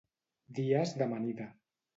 Dies d'amanida